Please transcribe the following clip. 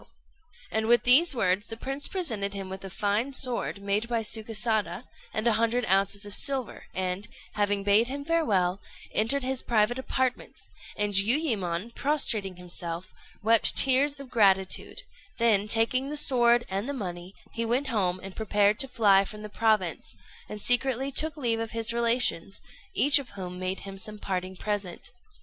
] And with these words the prince presented him with a fine sword, made by Sukésada, and a hundred ounces of silver, and, having bade him farewell, entered his private apartments; and Jiuyémon, prostrating himself, wept tears of gratitude; then, taking the sword and the money, he went home and prepared to fly from the province, and secretly took leave of his relations, each of whom made him some parting present.